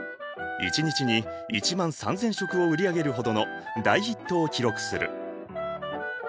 一日に１万３，０００食を売り上げるほどの大ヒットを記録する。